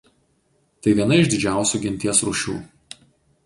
Tai viena iš didžiausių genties rūšių.